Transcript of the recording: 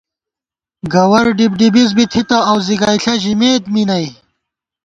گوَر ڈِبڈِبز بِی تھِتہ اؤ زِگئیݪہ ژِمېت می نئ